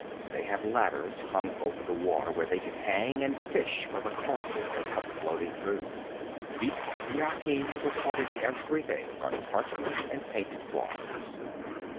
They have ladders hung over the water where they can hang and fish for the corpses that come floating through. Bît Yakin recorded everything on parchment and painted walls.